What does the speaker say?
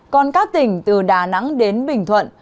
còn các tỉnh từ đà nẵng đến bình thuận